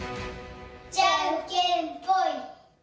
じゃんけんぽい！